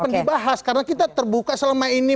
akan dibahas karena kita terbuka selama ini